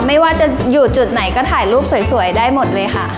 ไม่ว่าจะอยู่จุดไหนก็ถ่ายรูปสวยได้หมดเลยค่ะ